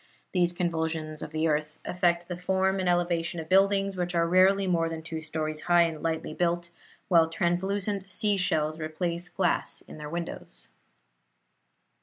These convulsions of the earth affect the form and elevation of buildings, which are rarely more than two stories high and lightly built, while translucent sea shells replace glass in their windows.